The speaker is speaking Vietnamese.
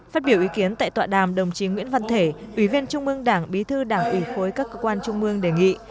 phát biểu ý kiến tại tọa đàm đồng chí nguyễn văn thể ủy viên trung mương đảng bí thư đảng ủy khối các cơ quan trung mương đề nghị